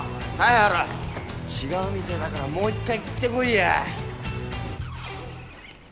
犀原違うみてぇだからもう一回行ってこいや。